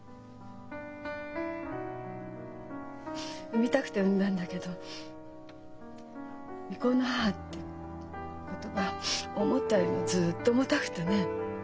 産みたくて産んだんだけど「未婚の母」って言葉思ったよりもずっと重たくてね。